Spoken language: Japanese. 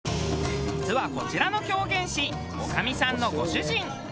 実はこちらの狂言師女将さんのご主人。